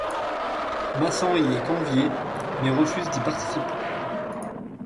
Mason y est convié, mais refuse d’y participer.